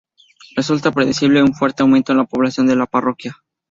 Resulta predecible un fuerte aumento en la población de la parroquia.